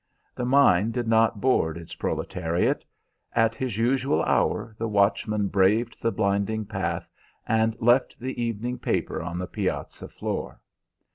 The mine did not board its proletariate. At his usual hour the watchman braved the blinding path, and left the evening paper on the piazza floor.